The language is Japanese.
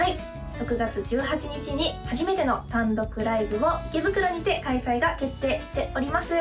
６月１８日に初めての単独ライブを池袋にて開催が決定しております